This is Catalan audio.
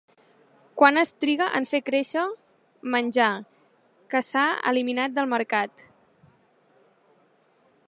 Quan es triga en fer créixer menjar; que s'ha eliminat del mercat.